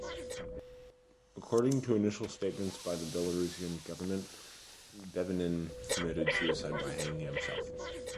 According to initial statements by the Belarusian government, Bebenin committed suicide by hanging himself.